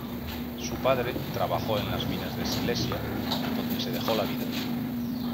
Su padre trabajó en las minas de Silesia donde se dejó la vida.